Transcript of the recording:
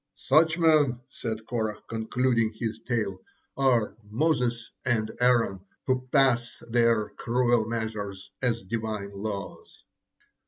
Such men," said Korah, concluding his tale, "are Moses and Aaron, who pass their cruel measures as Divine laws."